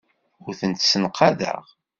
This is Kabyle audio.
Ur tent-ssenqadeɣ.